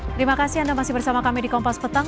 terima kasih anda masih bersama kami di kompas petang